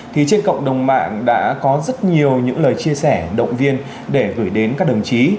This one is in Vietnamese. thì trên cộng đồng mạng đã có rất nhiều những lời chia sẻ động viên để gửi đến các đồng chí